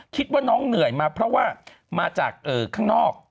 คิดว่าน้องเหนื่อยมาเพราะว่ามาจากข้างนอก